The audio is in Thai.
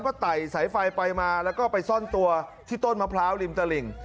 ก็ไต่สายไฟไปมาแล้วก็ไปซ่อนตัวที่ต้นมะพร้าวริมตลิ่ง